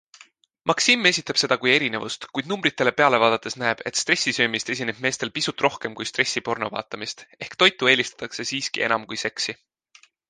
Maxim esitab seda kui erinevust, kuid numbritele peale vaadates näeb, et stressisöömist esineb meestel pisut rohkem kui stressipornovaatamist, ehk toitu eelistatakse siiski enam kui seksi.